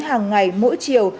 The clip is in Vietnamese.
hàng ngày mỗi chiều